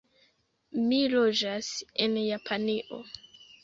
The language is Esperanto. Mi loĝas en Japanio.